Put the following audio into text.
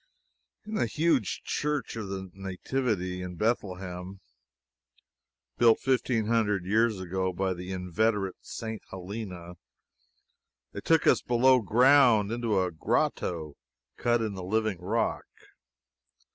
In the huge Church of the Nativity, in Bethlehem, built fifteen hundred years ago by the inveterate St. Helena, they took us below ground, and into a grotto cut in the living rock.